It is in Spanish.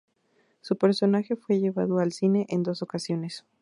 Su personaje fue llevado al cine en dos ocasiones.